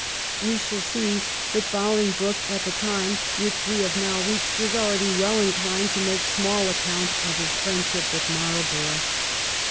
We shaU see that Bolingbroke at the time which we have now reached was already well inclined to make small account of his friendship with Marlborough.